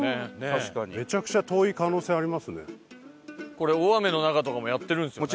これ大雨の中とかもやってるんですよね？